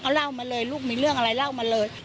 เล่ามาเลยลูกมีเรื่องอะไรเล่ามาเลย